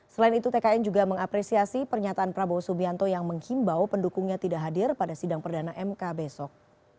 selain itu tkn juga mengapresiasi pernyataan prabowo subianto yang menghimbau pendukungnya tidak hadir pada sidang perdana mk besok